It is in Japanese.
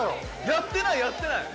やってないやってない！